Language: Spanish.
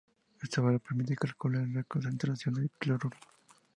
Este valor permite calcular la concentración de cloruro.